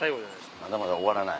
まだまだ終わらない。